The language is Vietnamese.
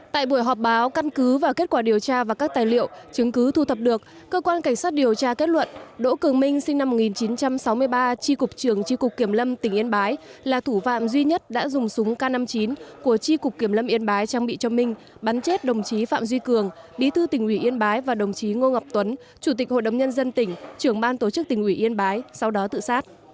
tại buổi họp báo căn cứ và kết quả điều tra và các tài liệu chứng cứ thu thập được cơ quan cảnh sát điều tra kết luận đỗ cường minh sinh năm một nghìn chín trăm sáu mươi ba tri cục trường tri cục kiểm lâm tỉnh yên bái là thủ phạm duy nhất đã dùng súng k năm mươi chín của tri cục kiểm lâm yên bái trang bị cho minh bắn chết đồng chí phạm duy cường bí thư tỉnh ủy yên bái và đồng chí ngô ngọc tuấn chủ tịch hội đồng nhân dân tỉnh trưởng ban tổ chức tỉnh ủy yên bái sau đó tự sát